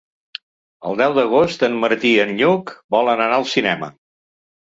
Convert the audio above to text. El deu d'agost en Martí i en Lluc volen anar al cinema.